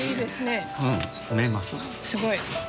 すごい。